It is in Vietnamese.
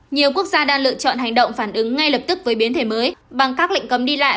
nhiều quốc gia đã lựa chọn hành động phản ứng ngay lập tức với biến thể mới bằng các lệnh cấm đi lại